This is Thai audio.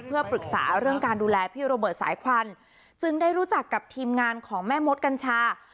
เพื่อปรึกษาเรื่องการดูแลพี่โรเบิร์ตสายควันจึงได้รู้จักกับทีมงานของแม่มดกัญชา